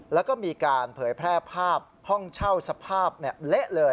แล้วก็มีการเผยแพร่ภาพห้องเช่าสภาพเละเลย